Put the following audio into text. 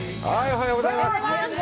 おはようございます。